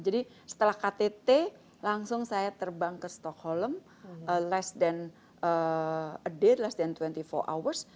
jadi setelah ktt langsung saya terbang ke stockholm less than a day less than dua puluh empat hours